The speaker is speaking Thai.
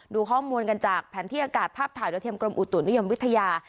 ดูข้อมูลกันจากแผนที่อากาศภาพถ่ายโดยเทียมกรมอุตุนิยมวิทยา